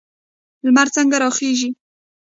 لمر څنګه راخیږي؟